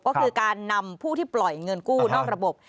ก็คือการนำผู้ที่ปล่อยเงินกู้นอกระบบ